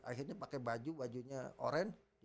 akhirnya pakai baju bajunya orange